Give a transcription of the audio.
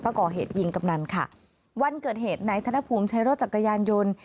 ประกอบเหตุยิงกำนั้นค่ะวันเกิดเหตุไหนธนภูมิใช้รถจักรยานโยน